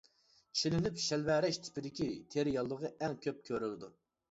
چىلىنىپ شەلۋەرەش تىپىدىكى تېرە ياللۇغى ئەڭ كۆپ كۆرۈلىدۇ.